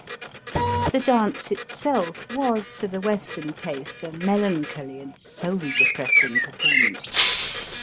The dance itself was to the Western taste a melancholy and soul depressing perform ance.